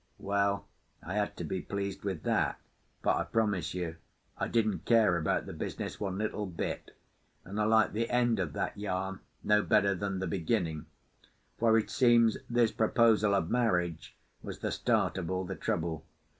Well, I had to be pleased with that; but I promise you I didn't care about the business one little bit. And I liked the end of that yarn no better than the beginning. For it seems this proposal of marriage was the start of all the trouble.